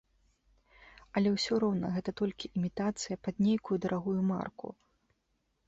Але ўсё роўна гэта толькі імітацыя пад нейкую дарагую марку.